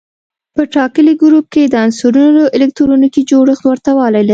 په ټاکلي ګروپ کې د عنصرونو الکتروني جوړښت ورته والی لري.